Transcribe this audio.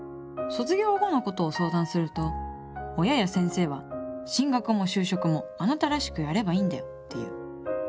卒業後のことを相談すると親や先生は「進学も就職もあなたらしくやればいいんだよ」って言う。